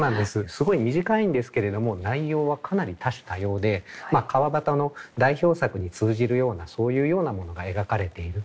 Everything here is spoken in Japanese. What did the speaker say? すごい短いんですけれども内容はかなり多種多様で川端の代表作に通じるようなそういうようなものが描かれている